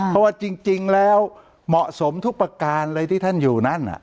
เพราะว่าจริงแล้วเหมาะสมทุกประการเลยที่ท่านอยู่นั่น